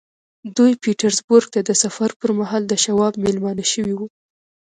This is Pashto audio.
دوی پيټرزبورګ ته د سفر پر مهال د شواب مېلمانه شوي وو.